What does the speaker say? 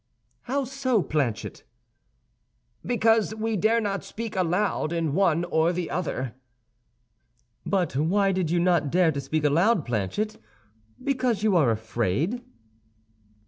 "How so, Planchet?" "Because we dare not speak aloud in one or the other." "But why did you not dare to speak aloud, Planchet—because you are afraid?"